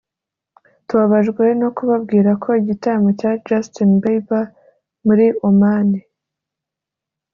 “Tubabajwe no kubabwira ko igitaramo cya Justin Bieber muri Oman